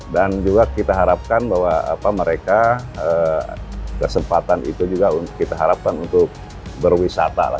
dan juga kita harapkan bahwa mereka kesempatan itu juga kita harapkan untuk berwisata